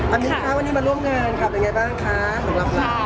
อันนี้ค่ะวันนี้มาร่วมงานค่ะเป็นยังไงบ้างคะของเราค่ะ